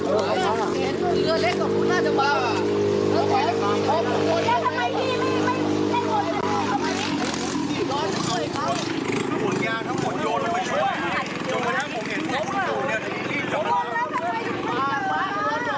อ๋อเห็นรูปเล็กของผมหน้าจะมาอ่ะ